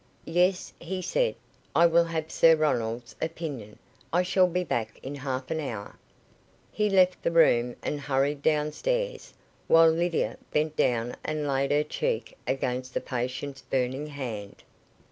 "Yes," he said; "I will have Sir Ronald's opinion. I shall be back in half an hour." He left the room and hurried down stairs, while Lydia bent down and laid her cheek against the patient's burning hand.